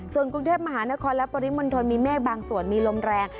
ส่วนกรุงเทพมหานครและปริมณฑลมีเมฆบางส่วนมีลมแรง